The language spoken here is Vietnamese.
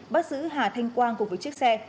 bắt giữ hà thanh quang cùng với chiếc xe